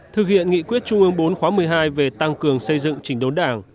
thực hiện nghị quyết trung ương bốn khóa một mươi hai về tăng cường xây dựng trình đốn đảng